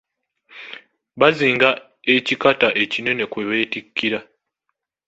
Bazinga ekikata ekinene kwe beetikkira.